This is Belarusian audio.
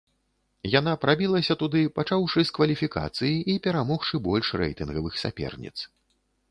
Яна прабілася туды, пачаўшы з кваліфікацыі і перамогшы больш рэйтынгавых саперніц.